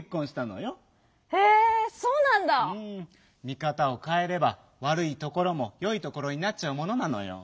見かたをかえればわるいところもよいところになっちゃうものなのよ。